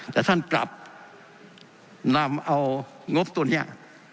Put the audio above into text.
แต่ท่านกลับนำเอางบตัวนี้